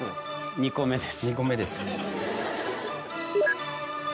２個目です。